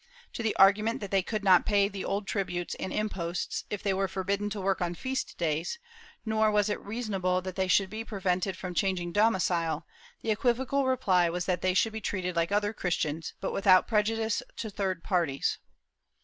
To the argument that they could not pay the old tributes and imposts, if they were forbidden to work on feast days, nor was it reasonable that they should be prevented from changing domicile, the equivocal reply was that they should be treated like other Christians, but without prejudice to third parties.